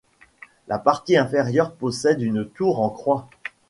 La partie inférieure possède une tour en croix.